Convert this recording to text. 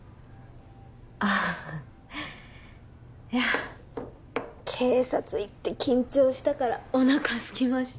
ああいや警察行って緊張したからおなかすきました